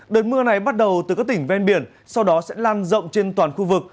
đợt mưa này bắt đầu từ các tỉnh ven biển sau đó sẽ lan rộng trên toàn khu vực